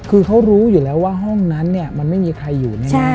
คือเขารู้อยู่แล้วว่าห้องนั้นเนี่ยมันไม่มีใครอยู่แน่